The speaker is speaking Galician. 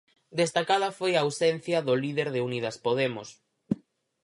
Destacada foi a ausencia do líder de Unidas Podemos.